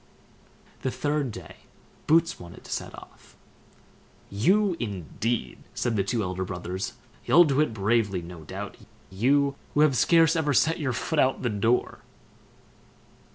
The third day Boots wanted to set off. "You, indeed!" said the two elder brothers; "you'll do it bravely, no doubt! you, who have scarce ever set your foot out of the door."